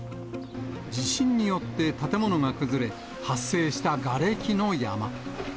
地震によって建物が崩れ、発生したがれきの山。